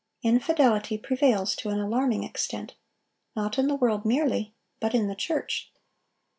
Infidelity prevails to an alarming extent, not in the world merely, but in the church.